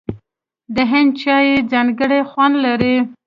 د هند چای ځانګړی خوند لري.